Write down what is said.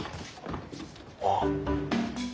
あっ。